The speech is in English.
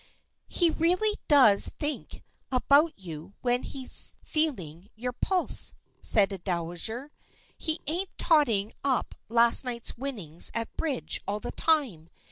"He really does think about you when he's feeling your pulse," said a dowager. "He ain't totting up last night's winnings at bridge all the time.